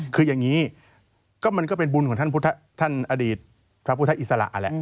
คืออย่างนี้ก็มันก็เป็นบุญของท่านอดีตพระพุทธอิสระแหละ